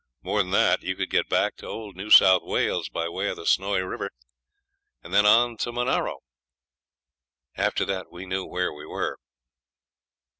More than that, you could get back to old New South Wales by way of the Snowy River, and then on to Monaro. After that we knew where we were.